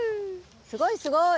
すごいすごい！